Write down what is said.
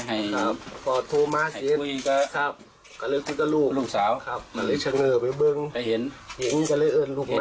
ให้เห็นออกมาอ่าลูกลูกลูกก็นั่งตรงนี้เนอะนั่งนั่งอยู่ที่นี่เนี่ย